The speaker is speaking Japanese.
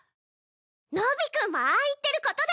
野比くんもああ言ってることだし。